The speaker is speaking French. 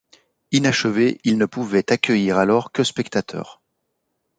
Inachevé, il ne pouvait accueillir alors que spectateurs.